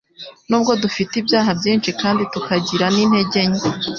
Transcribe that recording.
Nubwo dufite ibyaha byinshi, kandi tukagira n'intege nke,